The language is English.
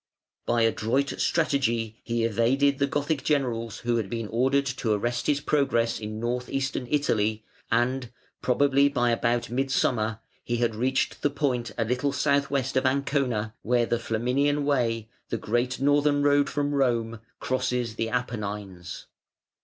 By adroit strategy he evaded the Gothic generals who had been ordered to arrest his progress in North eastern Italy and probably by about midsummer he had reached the point a little south west of Ancona, where the Flaminian Way, the great northern road from Rome, crosses the Apennines.